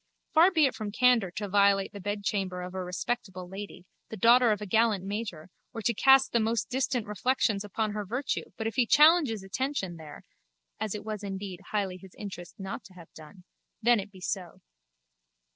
Far be it from candour to violate the bedchamber of a respectable lady, the daughter of a gallant major, or to cast the most distant reflections upon her virtue but if he challenges attention there (as it was indeed highly his interest not to have done) then be it so.